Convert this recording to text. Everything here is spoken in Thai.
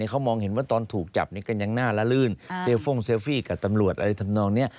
เขามองเห็นว่าตอนถูกจับก็ยังน่าละลื่นเซลฟงเซลฟี่กับตำรวจอะไรทำนองนี้